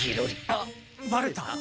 あっバレた？